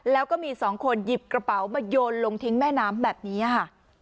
แล้วก็มีสองคนหยิบกระเป๋ามาโยนลงทิ้งแม่น้ำแบบนี้ค่ะ